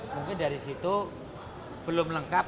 mungkin dari situ belum lengkap